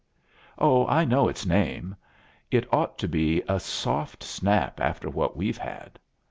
"Oh, I know its name. It ought to be a soft snap after what we've had."